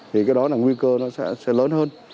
thì cái đó là nguy cơ nó sẽ lớn hơn